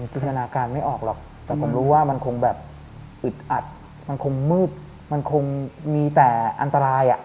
จินตนาการไม่ออกหรอกแต่ผมรู้ว่ามันคงแบบอึดอัดมันคงมืดมันคงมีแต่อันตราย